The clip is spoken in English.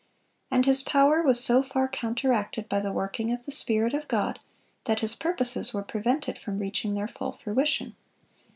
And his power was so far counteracted by the working of the Spirit of God, that his purposes were prevented from reaching their full fruition.